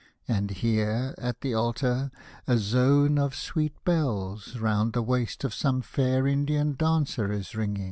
And here, at the altar, a zone of sweet bells Round the waist of some fair Indian dancer is ringing.